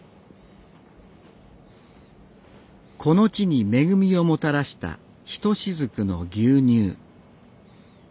この地に恵みをもたらした一滴の牛乳。